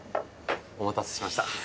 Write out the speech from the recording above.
お待たせしました。